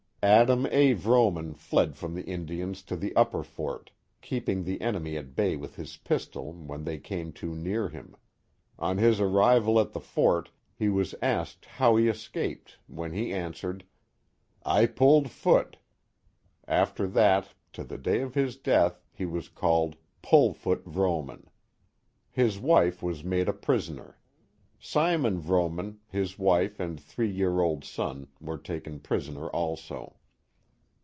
Adam A. Vrooman fled from the Indians to the upper fort, keeping the enemy at bay with his pistol, when they came too near him. On his arrival at the fort he was asked how he escaped, when he answered, '* I pulled foot." After that, to the day of his death, he was called Pull Foot Vrooman. His wife was made a prisoner. Simon Vrooman, his wife and three year old son, were taken prisoners also.